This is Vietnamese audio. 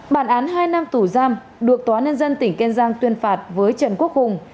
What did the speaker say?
bản án hai năm tù giam được tòa nên dân tỉnh kên giang tuyên phạt với trần quốc hùng